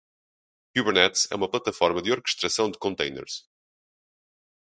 Kubernetes é uma plataforma de orquestração de contêineres.